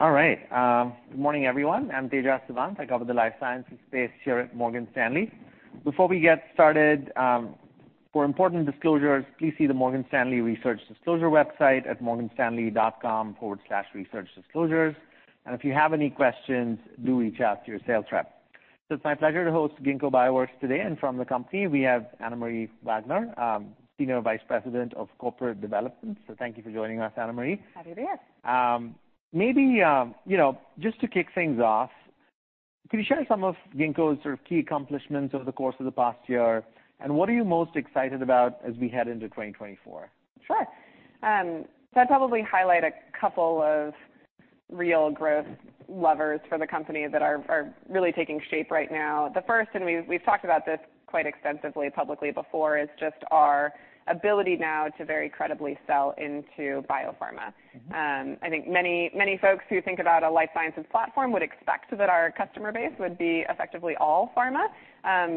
All right. Good morning, everyone. I'm Tejas Savant. I cover the life sciences space here at Morgan Stanley. Before we get started, for important disclosures, please see the Morgan Stanley Research Disclosure website at morganstanley.com/researchdisclosures. And if you have any questions, do reach out to your sales rep. So it's my pleasure to host Ginkgo Bioworks today, and from the company, we have Anna Marie Wagner, Senior Vice President of Corporate Development. So thank you for joining us, Anna Marie. Happy to be here. Maybe, you know, just to kick things off, can you share some of Ginkgo's sort of key accomplishments over the course of the past year, and what are you most excited about as we head into 2024? Sure. So I'd probably highlight a couple of real growth levers for the company that are really taking shape right now. The first, and we've talked about this quite extensively publicly before, is just our ability now to very credibly sell into biopharma. Mm-hmm. I think many, many folks who think about a life sciences platform would expect that our customer base would be effectively all pharma.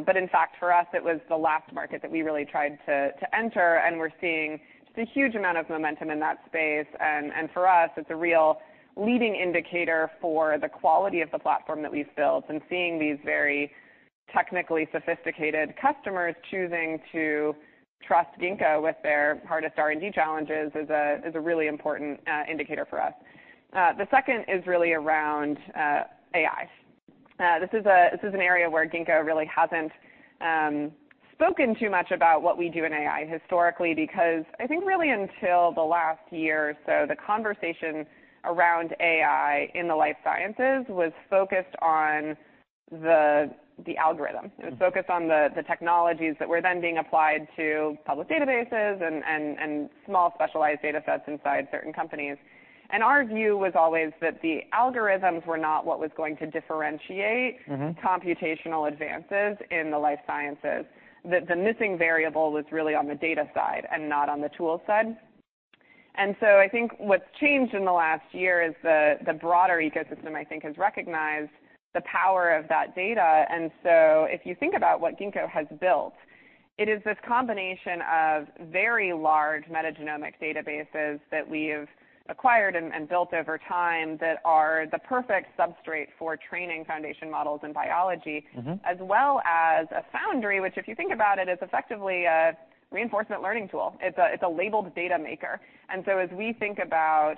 But in fact, for us, it was the last market that we really tried to enter, and we're seeing just a huge amount of momentum in that space. And for us, it's a real leading indicator for the quality of the platform that we've built. And seeing these very technically sophisticated customers choosing to trust Ginkgo with their hardest R&D challenges is a really important indicator for us. The second is really around AI. This is an area where Ginkgo really hasn't spoken too much about what we do in AI historically, because I think really until the last year or so, the conversation around AI in the life sciences was focused on the algorithm. Mm-hmm. It was focused on the technologies that were then being applied to public databases and small specialized datasets inside certain companies. Our view was always that the algorithms were not what was going to differentiate- Mm-hmm... computational advances in the life sciences. That the missing variable was really on the data side and not on the tool side. And so I think what's changed in the last year is the broader ecosystem, I think, has recognized the power of that data. And so if you think about what Ginkgo has built, it is this combination of very large metagenomic databases that we've acquired and built over time, that are the perfect substrate for training foundation models in biology. Mm-hmm. As well as a Foundry, which, if you think about it, is effectively a reinforcement learning tool. It's a, it's a labeled data maker. And so as we think about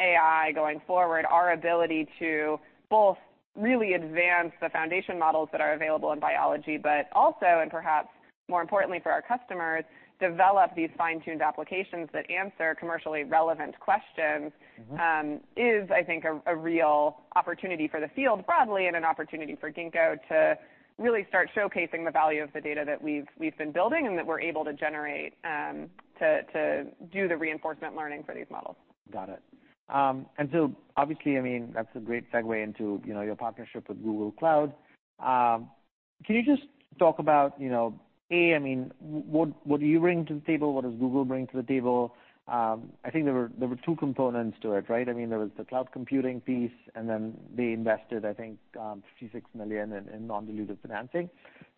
AI going forward, our ability to both really advance the foundation models that are available in biology, but also, and perhaps more importantly for our customers, develop these fine-tuned applications that answer commercially relevant questions- Mm-hmm... I think a real opportunity for the field broadly, and an opportunity for Ginkgo to really start showcasing the value of the data that we've been building, and that we're able to generate, to do the reinforcement learning for these models. Got it. And so obviously, I mean, that's a great segue into, you know, your partnership with Google Cloud. Can you just talk about, you know, A, I mean, what, what do you bring to the table? What does Google bring to the table? I think there were two components to it, right? I mean, there was the cloud computing piece, and then they invested, I think, $56 million in non-dilutive financing.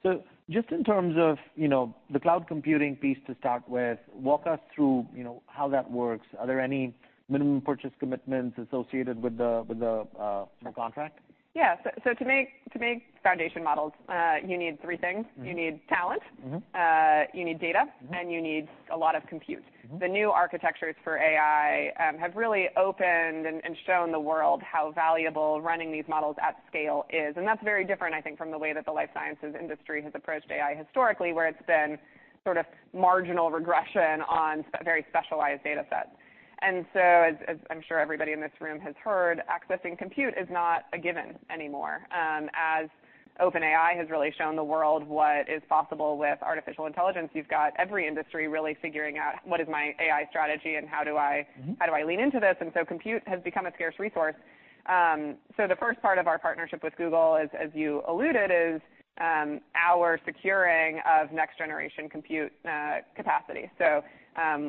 So just in terms of, you know, the cloud computing piece to start with, walk us through, you know, how that works. Are there any minimum purchase commitments associated with the contract? Yeah. So to make foundation models, you need three things. Mm-hmm. You need talent- Mm-hmm... you need data- Mm-hmm... and you need a lot of compute. Mm-hmm. The new architectures for AI have really opened and shown the world how valuable running these models at scale is. And that's very different, I think, from the way that the life sciences industry has approached AI historically, where it's been sort of marginal regression on very specialized datasets. And so as I'm sure everybody in this room has heard, accessing compute is not a given anymore. As OpenAI has really shown the world what is possible with artificial intelligence, you've got every industry really figuring out, "What is my AI strategy, and how do I- Mm-hmm... how do I lean into this?" And so compute has become a scarce resource. So the first part of our partnership with Google is, as you alluded, our securing of next-generation compute capacity. So,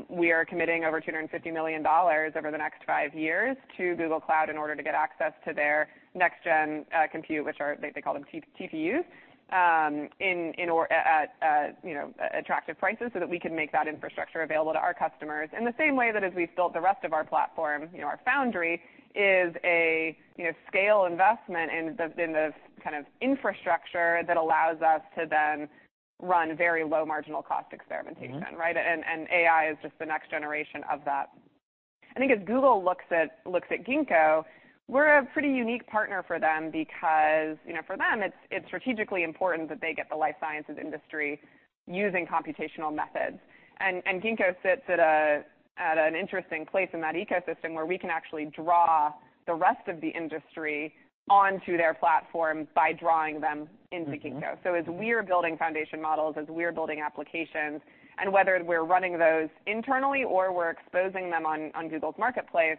we are committing over $250 million over the next five years to Google Cloud in order to get access to their next-gen compute, which they call TPUs, at, you know, attractive prices, so that we can make that infrastructure available to our customers. In the same way that we've built the rest of our platform, you know, our Foundry is a, you know, scale investment in the kind of infrastructure that allows us to then run very low marginal cost experimentation. Mm-hmm. Right? And AI is just the next generation of that. I think as Google looks at Ginkgo, we're a pretty unique partner for them because, you know, for them, it's strategically important that they get the life sciences industry using computational methods. And Ginkgo sits at an interesting place in that ecosystem, where we can actually draw the rest of the industry onto their platform by drawing them into Ginkgo. Mm-hmm. As we're building foundation models, as we're building applications, and whether we're running those internally or we're exposing them on, on Google's marketplace,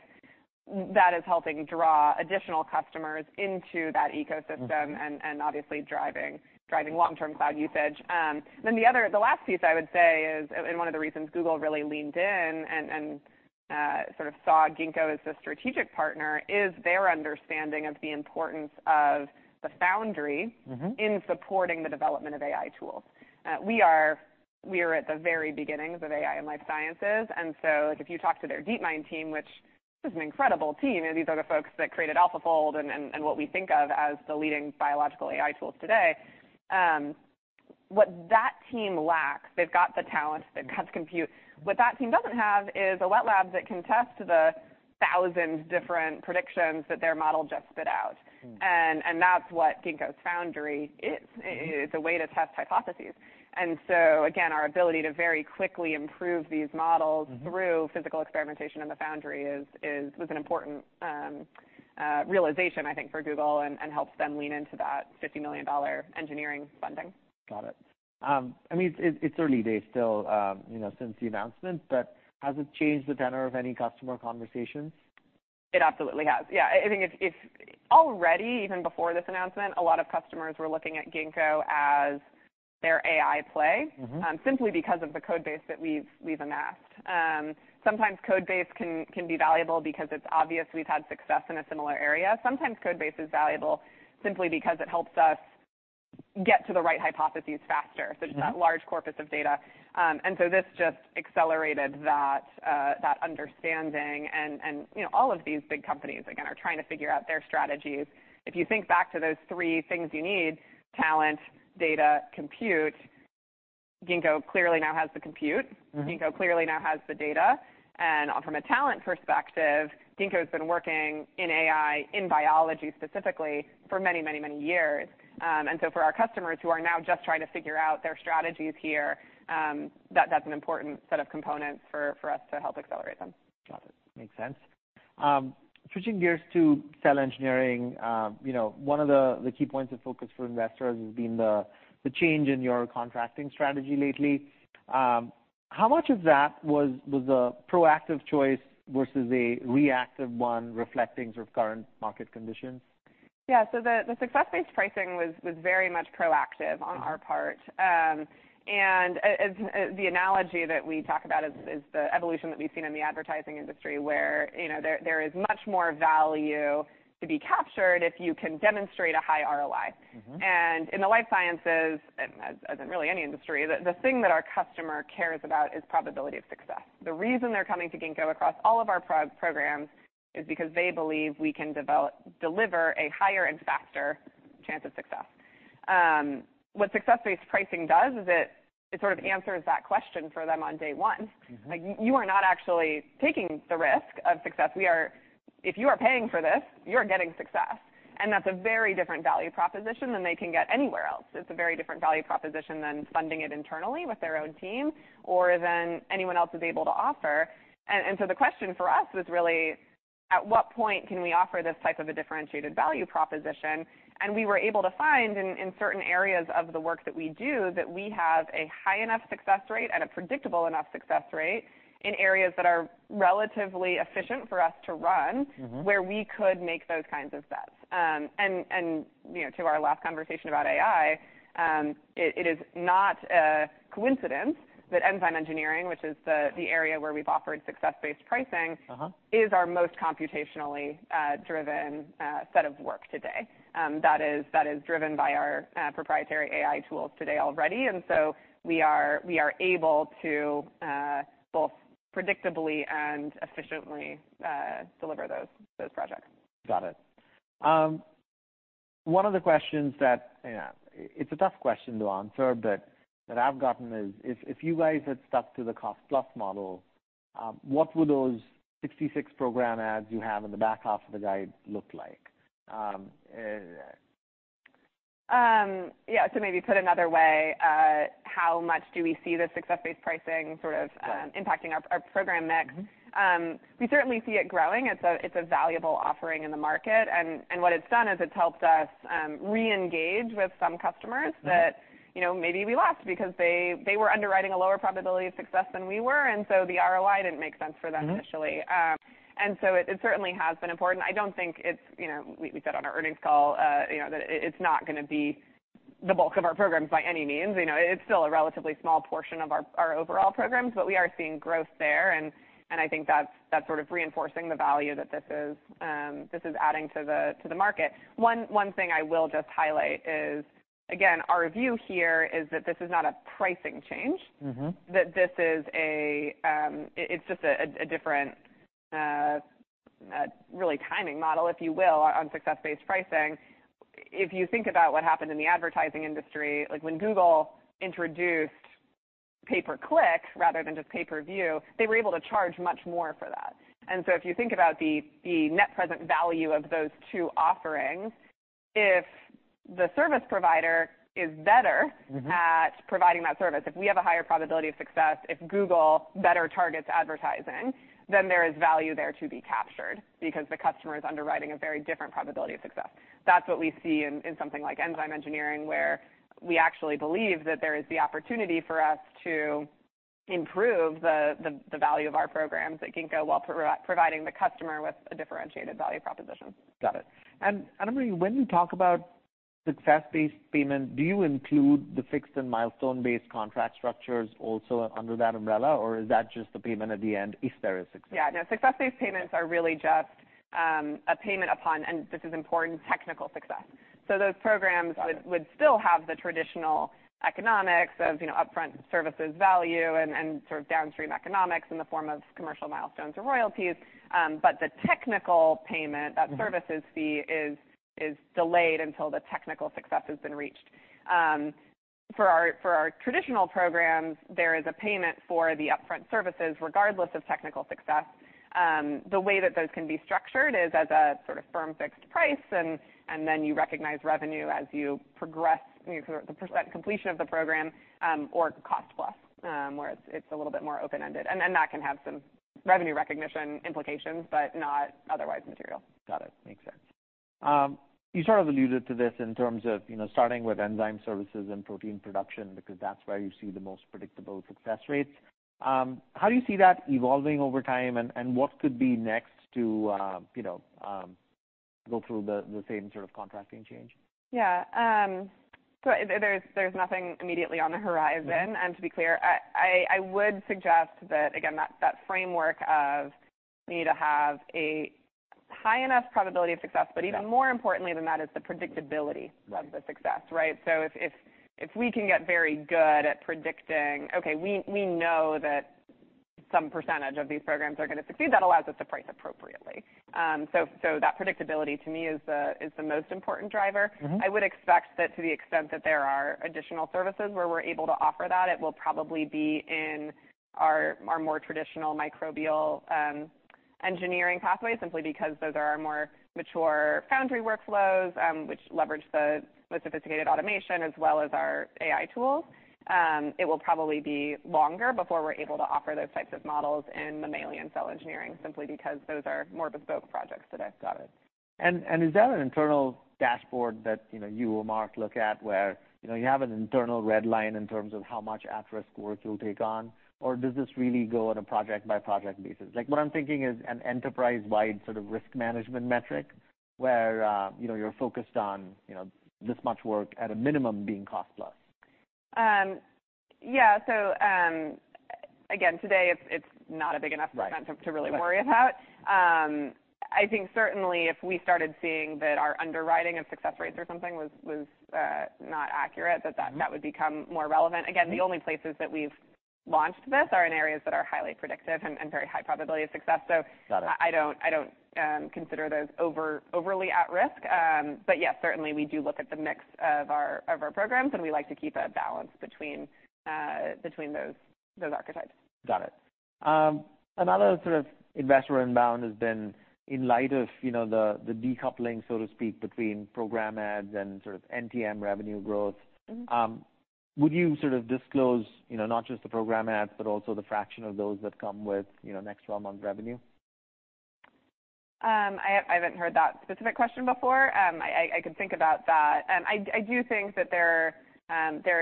that is helping draw additional customers into that ecosystem- Mm-hmm... and obviously driving long-term cloud usage. Then the other, the last piece I would say is, and one of the reasons Google really leaned in and sort of saw Ginkgo as a strategic partner, is their understanding of the importance of the Foundry- Mm-hmm... in supporting the development of AI tools. We are at the very beginnings of AI and life sciences, and so, like, if you talk to their DeepMind team, which is an incredible team, and these are the folks that created AlphaFold and, and, and what we think of as the leading biological AI tools today, what that team lacks, they've got the talent, they've got compute. What that team doesn't have is a wet lab that can test the 1,000 different predictions that their model just spit out. And that's what Ginkgo's Foundry is, is a way to test hypotheses. And so again, our ability to very quickly improve these models. Mm-hmm. through physical experimentation in the Foundry was an important realization, I think, for Google, and helps them lean into that $50 million engineering funding. Got it. I mean, it's early days still, you know, since the announcement, but has it changed the tenor of any customer conversations? It absolutely has. Yeah. I think it's... Already, even before this announcement, a lot of customers were looking at Ginkgo as their AI play- Mm-hmm. Simply because of the Codebase that we've amassed. Sometimes Codebase can be valuable because it's obvious we've had success in a similar area. Sometimes Codebase is valuable simply because it helps us get to the right hypotheses faster. Mm-hmm. So just that large corpus of data. And so this just accelerated that understanding. And, you know, all of these big companies, again, are trying to figure out their strategies. If you think back to those three things you need: talent, data, compute, Ginkgo clearly now has the compute. Mm-hmm. Ginkgo clearly now has the data, and from a talent perspective, Ginkgo's been working in AI, in biology specifically, for many, many, many years. And so for our customers who are now just trying to figure out their strategies here, that's an important set of components for us to help accelerate them. Got it. Makes sense. Switching gears to cell engineering, you know, one of the key points of focus for investors has been the change in your contracting strategy lately. How much of that was a proactive choice versus a reactive one, reflecting sort of current market conditions? Yeah. So the success-based pricing was very much proactive on our part. Mm-hmm. As the analogy that we talk about is the evolution that we've seen in the advertising industry, where, you know, there is much more value to be captured if you can demonstrate a high ROI. Mm-hmm. In the life sciences, and as in really any industry, the thing that our customer cares about is probability of success. The reason they're coming to Ginkgo across all of our programs is because they believe we can deliver a higher and faster chance of success. What success-based pricing does is it sort of answers that question for them on day one. Mm-hmm. Like, you are not actually taking the risk of success. We are... If you are paying for this, you're getting success, and that's a very different value proposition than they can get anywhere else. It's a very different value proposition than funding it internally with their own team or than anyone else is able to offer. And so the question for us was really, at what point can we offer this type of a differentiated value proposition? And we were able to find in certain areas of the work that we do, that we have a high enough success rate and a predictable enough success rate in areas that are relatively efficient for us to run- Mm-hmm... where we could make those kinds of bets. And you know, to our last conversation about AI, it is not a coincidence that enzyme engineering, which is the area where we've offered success-based pricing- Uh-huh - is our most computationally driven set of work today. That is, that is driven by our proprietary AI tools today already, and so we are, we are able to both predictably and efficiently deliver those, those projects. Got it. One of the questions that... Yeah, it's a tough question to answer, but that I've gotten is, if, if you guys had stuck to the cost plus model, what would those 66 program adds you have in the back half of the guide look like? Yeah, so maybe put another way, how much do we see the success-based pricing sort of, Yeah... impacting our program mix? Mm-hmm. We certainly see it growing. It's a valuable offering in the market, and what it's done is it's helped us reengage with some customers- Mm-hmm... that, you know, maybe we lost because they, they were underwriting a lower probability of success than we were, and so the ROI didn't make sense for them initially. Mm-hmm. And so it certainly has been important. I don't think it's, you know, we said on our earnings call, you know, that it, it's not gonna be the bulk of our programs by any means. You know, it's still a relatively small portion of our overall programs, but we are seeing growth there, and I think that's sort of reinforcing the value that this is, this is adding to the market. One thing I will just highlight is, again, our view here is that this is not a pricing change. Mm-hmm. That this is a different, really timing model, if you will, on success-based pricing. If you think about what happened in the advertising industry, like when Google introduced pay per click rather than just pay per view, they were able to charge much more for that. And so if you think about the net present value of those two offerings, if the service provider is better- Mm-hmm... at providing that service, if we have a higher probability of success, if Google better targets advertising, then there is value there to be captured because the customer is underwriting a very different probability of success. That's what we see in something like enzyme engineering, where we actually believe that there is the opportunity for us to improve the value of our programs at Ginkgo, while providing the customer with a differentiated value proposition. Got it. And Anna Marie, when you talk about success-based payment, do you include the fixed and milestone-based contract structures also under that umbrella, or is that just the payment at the end, if there is success? Yeah, no, success-based payments are really just a payment upon, and this is important, technical success. So those programs- Got it... would still have the traditional economics of, you know, upfront services value and sort of downstream economics in the form of commercial milestones or royalties. But the technical payment- Mm-hmm... that services fee is, is delayed until the technical success has been reached. For our, for our traditional programs, there is a payment for the upfront services, regardless of technical success. The way that those can be structured is as a sort of firm fixed price, and, and then you recognize revenue as you progress, you know, the percent completion of the program, or cost plus, where it's, it's a little bit more open-ended. And then that can have some revenue recognition implications, but not otherwise material. Got it. Makes sense. You sort of alluded to this in terms of, you know, starting with enzyme services and protein production, because that's where you see the most predictable success rates. How do you see that evolving over time, and what could be next to, you know, go through the same sort of contracting change? Yeah. So there's nothing immediately on the horizon. Mm-hmm. To be clear, I would suggest that, again, that framework of you need to have a high enough probability of success- Yeah... but even more importantly than that is the predictability- Right... of the success, right? So if we can get very good at predicting, okay, we know that some percentage of these programs are gonna succeed, that allows us to price appropriately. So that predictability to me is the most important driver. Mm-hmm. I would expect that to the extent that there are additional services where we're able to offer that, it will probably be in our more traditional microbial engineering pathway, simply because those are our more mature Foundry workflows, which leverage the sophisticated automation as well as our AI tools. It will probably be longer before we're able to offer those types of models in mammalian cell engineering, simply because those are more bespoke projects today. Got it. And is that an internal dashboard that, you know, you or Mark look at, where, you know, you have an internal red line in terms of how much at-risk work you'll take on? Or does this really go on a project-by-project basis? Like, what I'm thinking is an enterprise-wide sort of risk management metric, where, you know, you're focused on, you know, this much work at a minimum being cost plus. Yeah. So, again, today, it's not a big enough- Right... event to really worry about. Right. I think certainly if we started seeing that our underwriting and success rates or something was not accurate- Mm-hmm... that would become more relevant. Mm-hmm. Again, the only places that we've launched this are in areas that are highly predictive and very high probability of success, so- Got it... I don't consider those overly at risk. But yes, certainly we do look at the mix of our programs, and we like to keep a balance between those archetypes. Got it. Another sort of investor inbound has been in light of, you know, the decoupling, so to speak, between program adds and sort of NTM revenue growth- Mm-hmm... would you sort of disclose, you know, not just the program adds, but also the fraction of those that come with, you know, next 12 months' revenue? I haven't heard that specific question before. I can think about that. I do think that there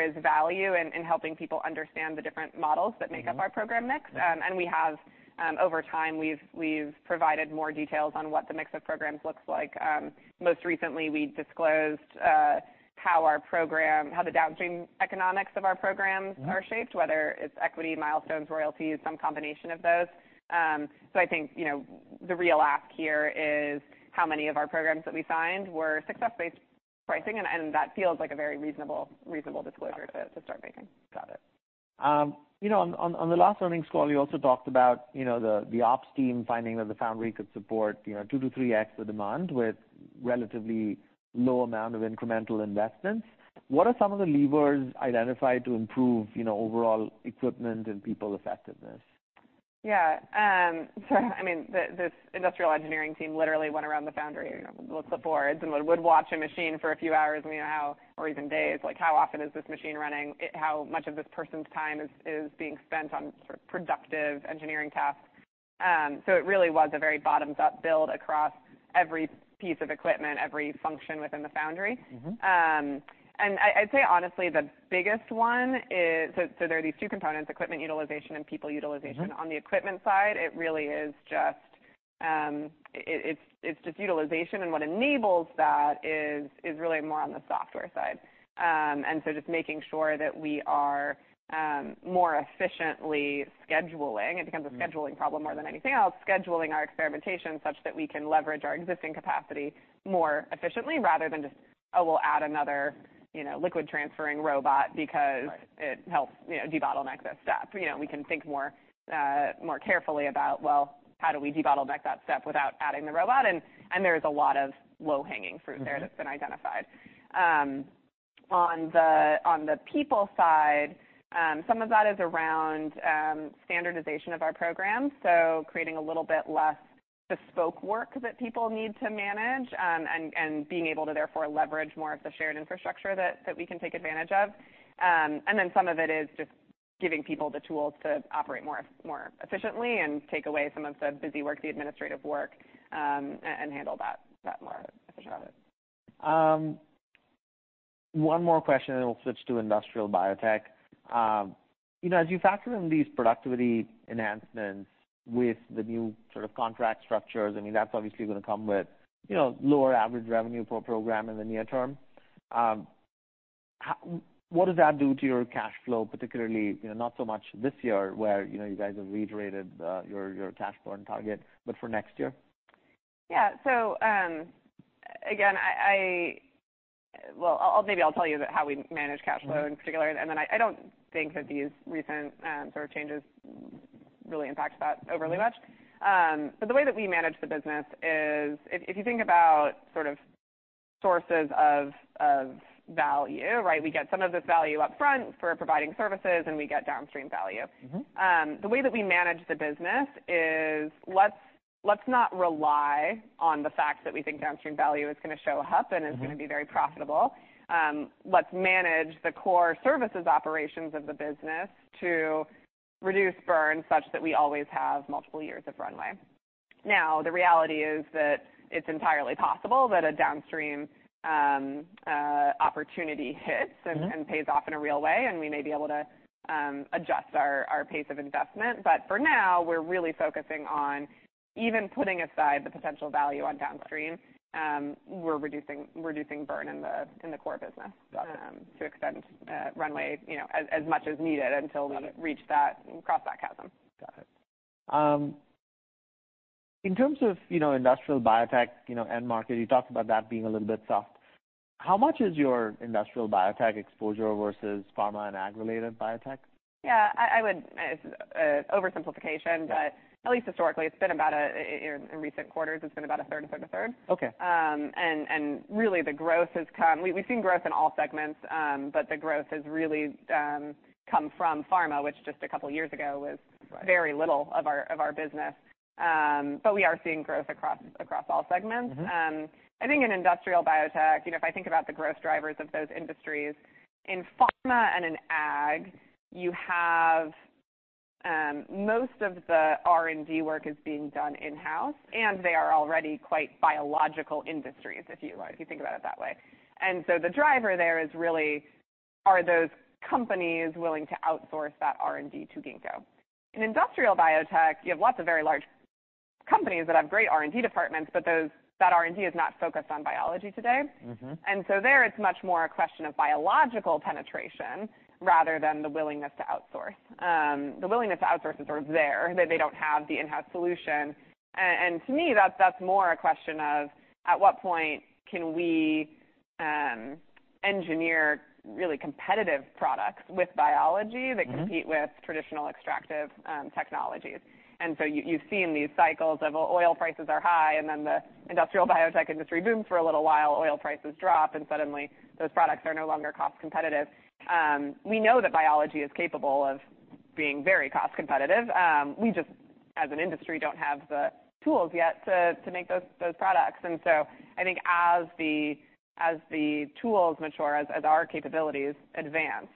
is value in helping people understand the different models- Mm-hmm... that make up our program mix. Right. And we have, over time, we've provided more details on what the mix of programs looks like. Most recently, we disclosed how the downstream economics of our programs- Mm-hmm... are shaped, whether it's equity, milestones, royalties, some combination of those. So I think, you know, the real ask here is how many of our programs that we signed were success-based pricing, and that feels like a very reasonable disclosure- Got it... to start making. Got it. You know, on the last earnings call, you also talked about, you know, the ops team finding that the Foundry could support, you know, 2-3X the demand with relatively low amount of incremental investments. What are some of the levers identified to improve, you know, overall equipment and people effectiveness? Yeah. So, I mean, this industrial engineering team literally went around the Foundry, you know, with clipboards and would watch a machine for a few hours, and we now... or even days, like, how often is this machine running? How much of this person's time is being spent on sort of productive engineering tasks? So it really was a very bottoms-up build across every piece of equipment, every function within the Foundry. Mm-hmm. I'd say, honestly, the biggest one is. So, there are these two components, equipment utilization and people utilization. Mm-hmm. On the equipment side, it really is just utilization, and what enables that is really more on the software side. And so just making sure that we are more efficiently scheduling- Mm-hmm... it becomes a scheduling problem more than anything else, scheduling our experimentation such that we can leverage our existing capacity more efficiently, rather than just, oh, we'll add another, you know, liquid transferring robot because- Right... it helps, you know, debottleneck this step. You know, we can think more, more carefully about, well, how do we debottleneck that step without adding the robot? And, and there is a lot of low-hanging fruit there- Mm-hmm... that's been identified. On the people side, some of that is around standardization of our programs, so creating a little bit less bespoke work that people need to manage, and being able to therefore leverage more of the shared infrastructure that we can take advantage of. And then some of it is just giving people the tools to operate more efficiently and take away some of the busy work, the administrative work, and handle that more efficiently. Got it. One more question, and then we'll switch to industrial biotech. You know, as you factor in these productivity enhancements with the new sort of contract structures, I mean, that's obviously gonna come with, you know, lower average revenue per program in the near term. What does that do to your cash flow, particularly, you know, not so much this year, where, you know, you guys have reiterated your cash burn target, but for next year? Yeah. So, again, well, I'll, maybe I'll tell you about how we manage cash flow- Mm-hmm... in particular, and then I, I don't think that these recent, sort of changes really impact that overly much. But the way that we manage the business is, if, if you think about sort of sources of, of value, right? We get some of this value upfront for providing services, and we get downstream value. Mm-hmm. The way that we manage the business is, let's not rely on the fact that we think downstream value is gonna show up- Mm-hmm. - and it's gonna be very profitable. Let's manage the core services operations of the business to reduce burn, such that we always have multiple years of runway. Now, the reality is that it's entirely possible that a downstream opportunity hits- Mm-hmm... and pays off in a real way, and we may be able to adjust our pace of investment. But for now, we're really focusing on even putting aside the potential value on downstream. We're reducing burn in the core business- Got it. to extend runway, you know, as, as much as needed- Got it. until we reach that, cross that chasm. Got it. In terms of, you know, industrial biotech, you know, end market, you talked about that being a little bit soft. How much is your industrial biotech exposure versus pharma and ag-related biotech? Yeah. I would... It's oversimplification- Yeah... but at least historically, it's been about, in recent quarters, it's been about a third, a third, a third. Okay. And really the growth has come. We've seen growth in all segments, but the growth has really come from pharma, which just a couple of years ago was- Right... very little of our business. But we are seeing growth across all segments. Mm-hmm. I think in industrial biotech, you know, if I think about the growth drivers of those industries, in pharma and in ag, you have most of the R&D work is being done in-house, and they are already quite biological industries, if you think about it that way. And so the driver there is really, are those companies willing to outsource that R&D to Ginkgo? In industrial biotech, you have lots of very large companies that have great R&D departments, but that R&D is not focused on biology today. Mm-hmm. And so there, it's much more a question of biological penetration rather than the willingness to outsource. The willingness to outsource is sort of there, that they don't have the in-house solution. And to me, that's more a question of, at what point can we engineer really competitive products with biology- Mm-hmm... that compete with traditional extractive, technologies? And so you, you've seen these cycles of, oil prices are high, and then the industrial biotech industry booms for a little while. Oil prices drop, and suddenly those products are no longer cost competitive. We know that biology is capable of being very cost competitive. We just, as an industry, don't have the tools yet to make those products. And so I think as the tools mature, as our capabilities advance,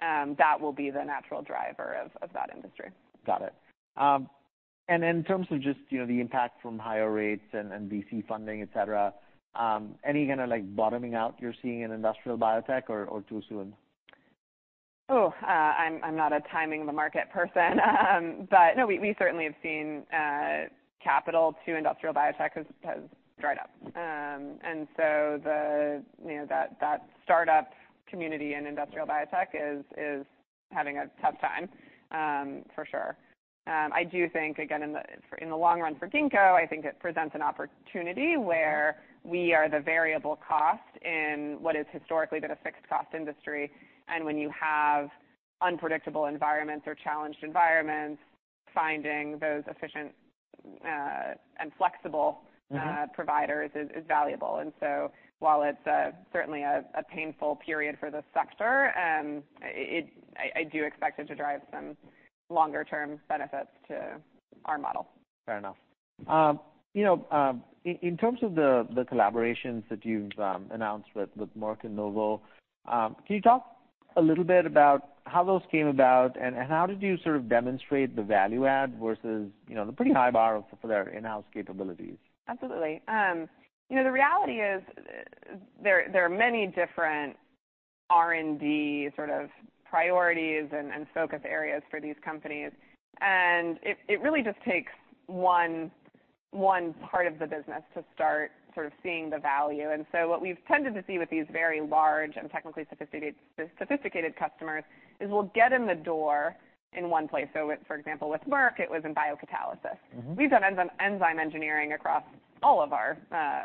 that will be the natural driver of that industry. Got it. And in terms of just, you know, the impact from higher rates and, and VC funding, et cetera, any kind of, like, bottoming out you're seeing in industrial biotech or, or too soon? I'm not a timing the market person. But no, we certainly have seen capital to industrial biotech has dried up. And so you know, that startup community in industrial biotech is having a tough time, for sure. I do think, again, in the long run for Ginkgo, I think it presents an opportunity where we are the variable cost in what has historically been a fixed cost industry. And when you have unpredictable environments or challenged environments, finding those efficient and flexible- Mm-hmm... providers is valuable. And so while it's certainly a painful period for this sector, I do expect it to drive some longer term benefits to our model. Fair enough. You know, in terms of the collaborations that you've announced with Merck and Novo, can you talk a little bit about how those came about, and how did you sort of demonstrate the value add versus, you know, the pretty high bar for their in-house capabilities? Absolutely. You know, the reality is, there are many different R&D sort of priorities and focus areas for these companies. It really just takes one part of the business to start sort of seeing the value. So what we've tended to see with these very large and technically sophisticated customers is we'll get in the door in one place. So, for example, with Merck, it was in biocatalysis. Mm-hmm. We've done enzyme engineering across all of our,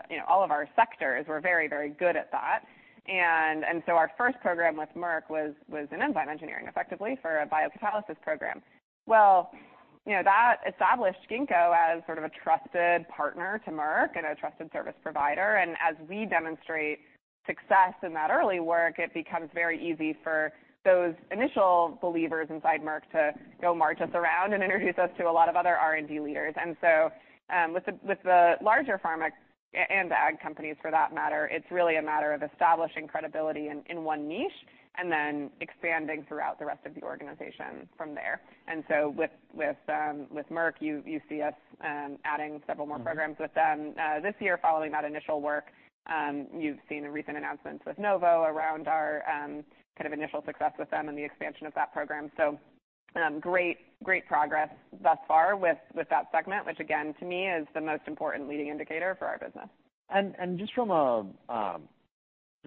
you know, all of our sectors. We're very, very good at that. And so our first program with Merck was in enzyme engineering, effectively for a biocatalysis program. Well, you know, that established Ginkgo as sort of a trusted partner to Merck and a trusted service provider. And as we demonstrate success in that early work, it becomes very easy for those initial believers inside Merck to go march us around and introduce us to a lot of other R&D leaders. And so with the larger pharma and the ag companies, for that matter, it's really a matter of establishing credibility in one niche and then expanding throughout the rest of the organization from there. And so with Merck, you see us adding several more programs- Mm-hmm. with them this year, following that initial work. You've seen the recent announcements with Novo around our kind of initial success with them and the expansion of that program. So, great, great progress thus far with that segment, which again, to me, is the most important leading indicator for our business. Just from a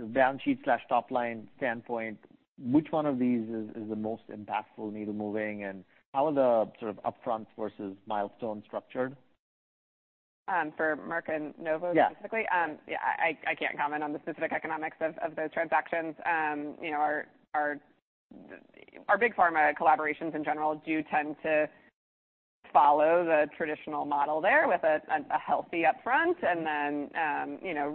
balance sheet/top line standpoint, which one of these is the most impactful needle moving, and how are the sort of upfront versus milestone structured?... for Merck and Novo specifically? Yeah. Yeah, I can't comment on the specific economics of those transactions. You know, our big pharma collaborations in general do tend to follow the traditional model there, with a healthy upfront and then, you know,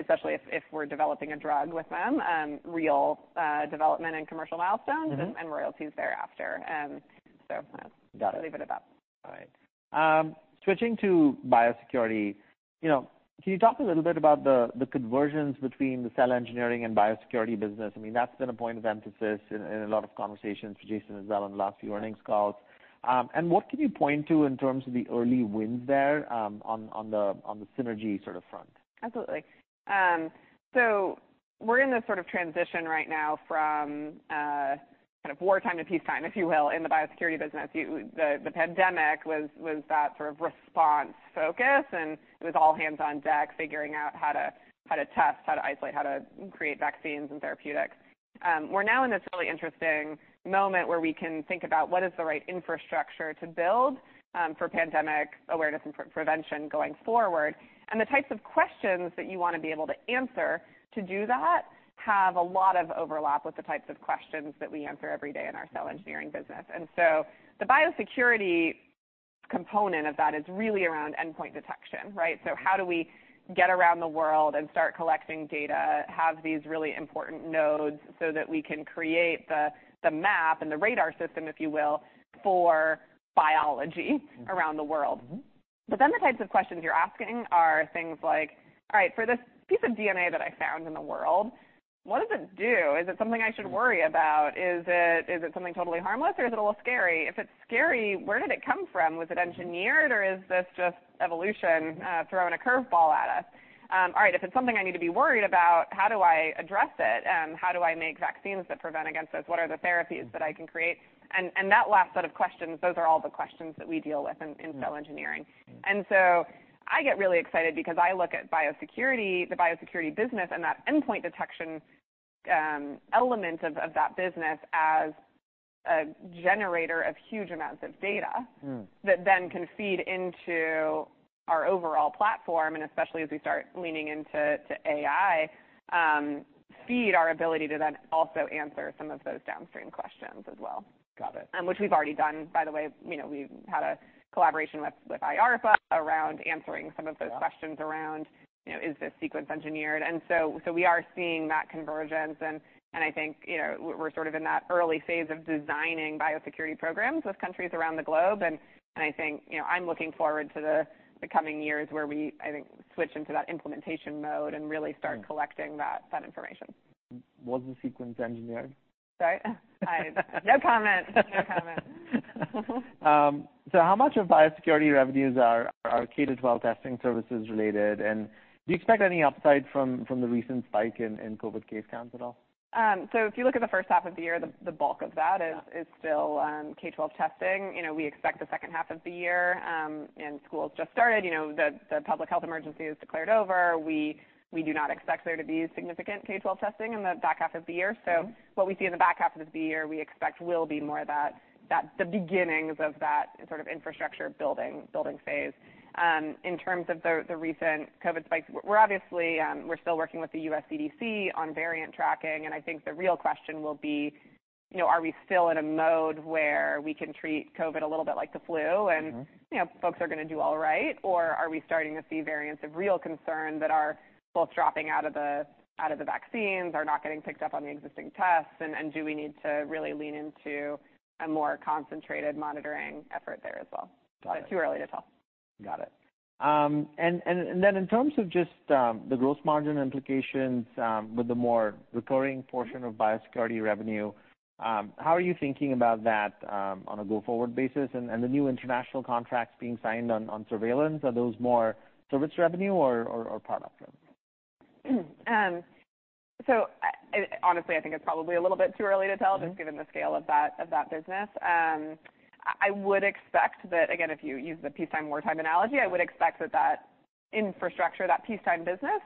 especially if we're developing a drug with them, real development and commercial milestones- Mm-hmm. And royalties thereafter. Got it. Leave it at that. All right. Switching to biosecurity, you know, can you talk a little bit about the conversions between the cell engineering and biosecurity business? I mean, that's been a point of emphasis in a lot of conversations for Jason and on the last few earnings calls. And what can you point to in terms of the early wins there, on the synergy sort of front? Absolutely. So we're in this sort of transition right now from kind of wartime to peacetime, if you will, in the biosecurity business. The pandemic was that sort of response focus, and it was all hands on deck, figuring out how to test, how to isolate, how to create vaccines and therapeutics. We're now in this really interesting moment where we can think about what is the right infrastructure to build for pandemic awareness and prevention going forward. And the types of questions that you wanna be able to answer to do that have a lot of overlap with the types of questions that we answer every day in our cell engineering business. And so the biosecurity component of that is really around endpoint detection, right? So how do we get around the world and start collecting data, have these really important nodes so that we can create the map and the radar system, if you will, for biology- Mm. around the world. Mm-hmm. But then the types of questions you're asking are things like: All right, for this piece of DNA that I found in the world, what does it do? Is it something I should worry about? Is it, is it something totally harmless, or is it a little scary? If it's scary, where did it come from? Was it engineered, or is this just evolution throwing a curveball at us? All right, if it's something I need to be worried about, how do I address it, and how do I make vaccines that prevent against this? What are the therapies that I can create? And, and that last set of questions, those are all the questions that we deal with in, in cell engineering. Mm. So I get really excited because I look at biosecurity, the biosecurity business, and that endpoint detection element of that business as a generator of huge amounts of data- Mm. -that then can feed into our overall platform, and especially as we start leaning into AI, feed our ability to then also answer some of those downstream questions as well. Got it. which we've already done, by the way. You know, we've had a collaboration with IARPA around answering some of those- Yeah... questions around, you know, is this sequence engineered? So we are seeing that convergence. And I think, you know, we're sort of in that early phase of designing biosecurity programs with countries around the globe. And I think, you know, I'm looking forward to the coming years, where we, I think, switch into that implementation mode and really- Mm Start collecting that information. Was the sequence engineered? Sorry? I... No comment, no comment. How much of biosecurity revenues are K-12 testing services related, and do you expect any upside from the recent spike in COVID case counts at all? So if you look at the first half of the year, the bulk of that is- Yeah... is still, K-12 testing. You know, we expect the second half of the year, and schools just started, you know, the public health emergency is declared over. We do not expect there to be significant K-12 testing in the back half of the year. Mm. So what we see in the back half of the year, we expect will be more that the beginnings of that sort of infrastructure building phase. In terms of the recent COVID spike, we're obviously still working with the US CDC on variant tracking, and I think the real question will be, you know, are we still in a mode where we can treat COVID a little bit like the flu? Mm-hmm... and, you know, folks are gonna do all right? Or are we starting to see variants of real concern that are both dropping out of the, out of the vaccines, are not getting picked up on the existing tests? And, and do we need to really lean into a more concentrated monitoring effort there as well? Got it. But too early to tell. Got it. And then in terms of just the gross margin implications with the more recurring portion of biosecurity revenue, how are you thinking about that on a go-forward basis? And the new international contracts being signed on surveillance, are those more service revenue or product revenue? Honestly, I think it's probably a little bit too early to tell. Mm... just given the scale of that business. I would expect that, again, if you use the peacetime/wartime analogy, I would expect that infrastructure, that peacetime business,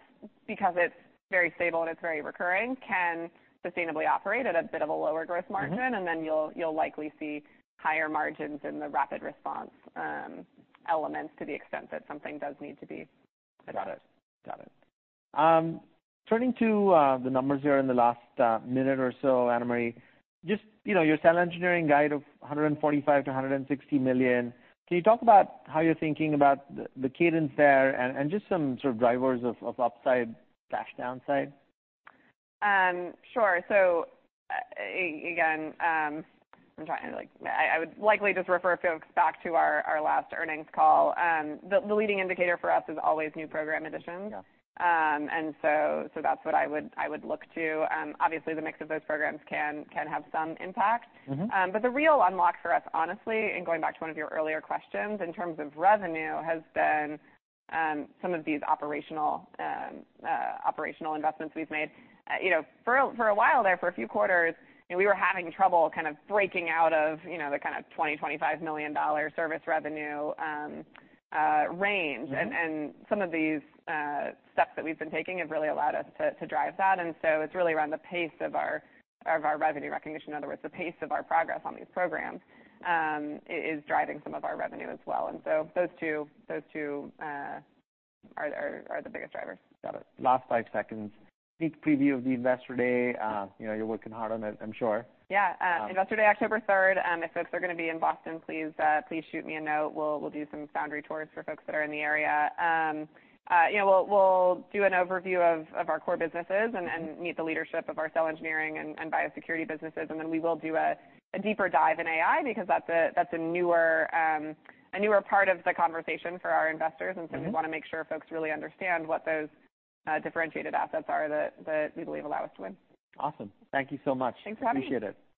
because it's very stable and it's very recurring, can sustainably operate at a bit of a lower gross margin. Mm-hmm. And then you'll, you'll likely see higher margins in the rapid response elements, to the extent that something does need to be. Got it. Got it. Turning to the numbers here in the last minute or so, Anna Marie, just, you know, your cell engineering guide of $145 million-$160 million, can you talk about how you're thinking about the cadence there and just some sort of drivers of upside/downside? Sure. So, again, I'm trying to like... I would likely just refer folks back to our, our last earnings call. The leading indicator for us is always new program additions. Yeah. So that's what I would look to. Obviously, the mix of those programs can have some impact. Mm-hmm. But the real unlock for us, honestly, in going back to one of your earlier questions, in terms of revenue, has been some of these operational investments we've made. You know, for a while there, for a few quarters, you know, we were having trouble kind of breaking out of the kind of $20 million-$25 million service revenue range. Mm-hmm. And some of these steps that we've been taking have really allowed us to drive that. And so it's really around the pace of our revenue recognition, in other words, the pace of our progress on these programs, is driving some of our revenue as well. And so those two are the biggest drivers. Got it. Last five seconds, quick preview of the Investor Day. You know, you're working hard on it, I'm sure. Yeah. Um- Investor Day, October 3rd. If folks are gonna be in Boston, please, please shoot me a note. We'll do some Foundry tours for folks that are in the area. You know, we'll do an overview of our core businesses and meet the leadership of our cell engineering and biosecurity businesses. And then we will do a deeper dive in AI, because that's a newer part of the conversation for our investors. Mm-hmm. So we wanna make sure folks really understand what those differentiated assets are that we believe allow us to win. Awesome. Thank you so much. Thanks for having me. Appreciate it.